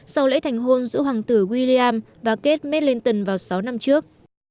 sau lễ thành hôn giữa hoàng tử william và kate mellenton vào sáu năm trước